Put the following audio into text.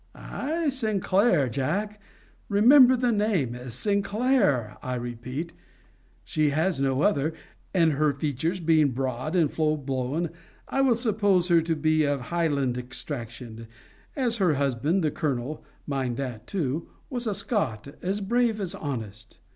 Ay, SINCLAIR, Jack! Remember the name! SINCLAIR, I repeat. She has no other. And her features being broad and full blown, I will suppose her to be of Highland extraction; as her husband the colonel [mind that too] was a Scot, as brave, as honest.